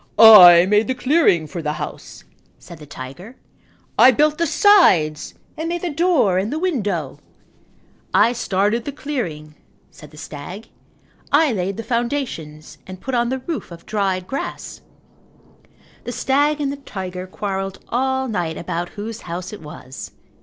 "I made the clearing for the house," said the tiger, "I built the sides and made the door and window." "I started the clearing," said the stag. "I laid the foundations and put on the roof of dried grass." The stag and the tiger quarrelled all night about whose house it was.